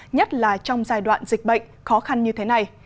nhất là trong giai đoạn dịch bệnh khó khăn như thế này